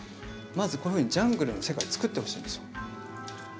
まずこういうふうにジャングルの世界をつくってほしいんですよ。